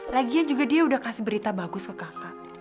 lagian juga dia udah kasih berita bagus ke kakak